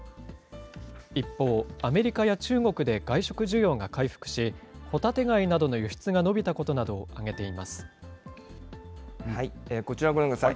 一方、アメリカや中国で外食需要が回復し、ホタテ貝などの輸出が伸びたこちらご覧ください。